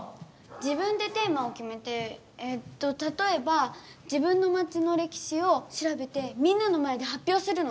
自分でテーマをきめてえっとたとえば自分の町の歴史をしらべてみんなの前で発表するの。